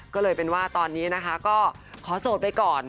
ก็เลยเป็นว่าตอนนี้นะคะก็ขอโสดไปก่อน